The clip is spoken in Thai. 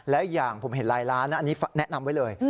และอย่างผมเห็นลายล้านอันนี้แนะนำไว้เลย